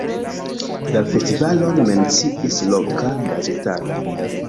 La festivalon menciis loka gazetaro.